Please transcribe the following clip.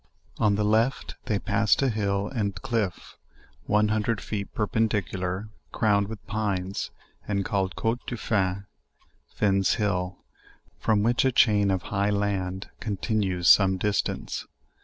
On 'the left they passed a hill and cliff, one hundrd feet perpendicular, crowned with pines, and called "'Cote de Fin," (Fin's hill) from which a chain of high land continues some distance.